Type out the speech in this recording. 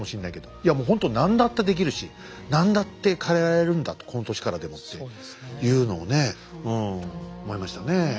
いやもうほんと何だってできるし何だって変えられるんだとこの年からでもっていうのをねうん思いましたね。